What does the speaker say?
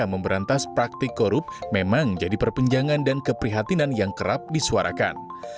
memberantas praktik korup memang jadi perpenjangan dan keprihatinan yang kerap disuarakan